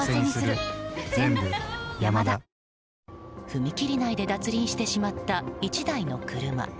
踏切内で脱輪してしまった１台の車。